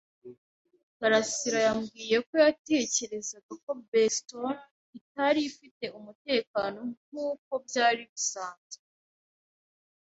karasira yambwiye ko yatekerezaga ko Boston itari ifite umutekano nk'uko byari bisanzwe.